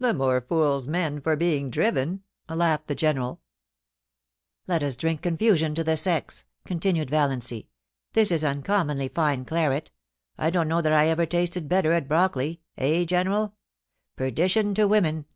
*The more fools men for being driven,' laughed the General THE DINNER TO GENERAL COMPTON. yj\ * Let us drink confusion to the sex,' continued Valiancy. 'This is uncommonly fine claret I don't know that I ever tasted better at Brockley — eh, General ? Perdition to women